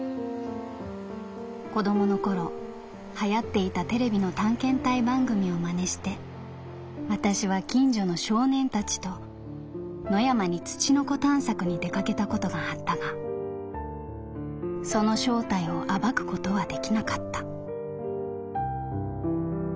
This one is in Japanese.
子供の頃流行っていたテレビの探検隊番組を真似して私は近所の少年たちと野山に『つちのこ』探索に出掛けたことがあったがその正体を暴くことはできなかった」。